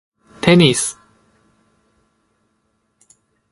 テニス